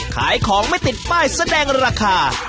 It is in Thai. ขายของไม่ติดป้ายแสดงราคา